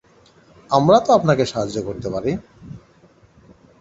আমরা তো আপনাকে সাহায্য করতে পারি।